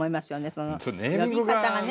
その呼び方がね。